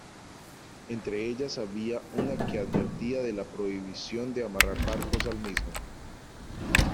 Entre ellas había una que advertía de la prohibición de amarrar barcos al mismo.